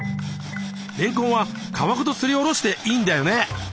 れんこんは皮ごとすりおろしていいんだよね。